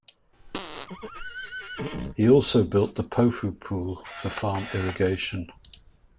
He also built the Pofu Pool for farm irrigation.